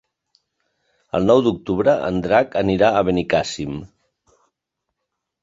El nou d'octubre en Drac anirà a Benicàssim.